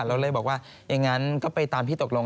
เราเลยบอกว่าอย่างนั้นก็ไปตามที่ตกลง